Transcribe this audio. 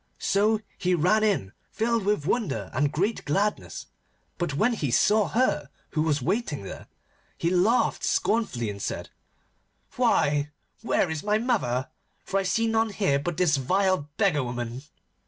So he ran in, filled with wonder and great gladness. But when he saw her who was waiting there, he laughed scornfully and said, 'Why, where is my mother? For I see none here but this vile beggar woman.